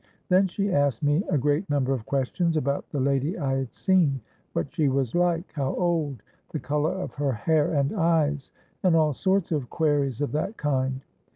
Then she asked me a great number of questions about the lady I had seen—what she was like—how old—the colour of her hair and eyes—and all sorts of queries of that kind.